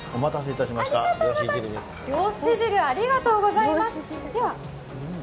漁師汁ありがとうございます。